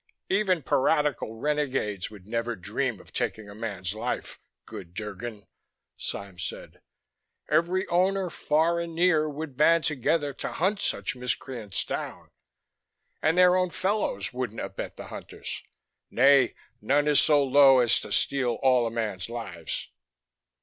"Even piratical renegades would never dream of taking a man's life, good Drgon," Sime said. "Every Owner, far and near, would band together to hunt such miscreants down. And their own fellows would abet the hunters! Nay, none is so low as to steal all a man's lives."